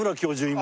今。